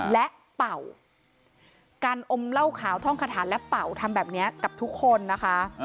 และเป่าการอมเหล้าขาวท่องคาถาและเป่าทำแบบนี้กับทุกคนนะคะ